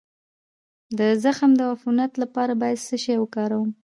د زخم د عفونت لپاره باید څه شی وکاروم؟